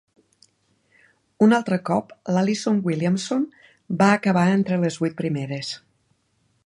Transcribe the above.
Un altre cop, l'Alison Williamson va acabar entre les vuit primeres.